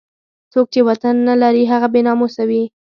څوک چې وطن نه لري هغه بې ناموسه وي.